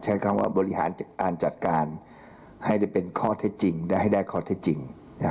ใช้คำว่าบริหารจัดการให้ได้เป็นข้อเท็จจริงและให้ได้ข้อเท็จจริง